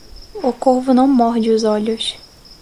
O corvo não morde os olhos.